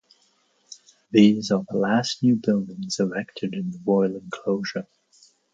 These are last new buildings erected in the Royal Enclosure.